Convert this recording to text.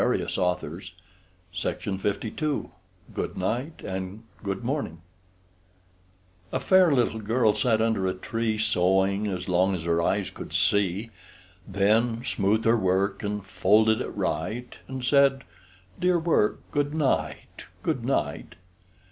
ROBERT LOUIS STEVENSON GOOD NIGHT AND GOOD MORNING A fair little girl sat under a tree Sewing as long as her eyes could see; Then smoothed her work and folded it right, And said, "Dear work, good night, good night!"